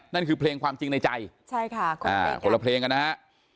นั่นคือเพลงความจริงในใจใช่ค่ะคนละเพลงกันนะฮะ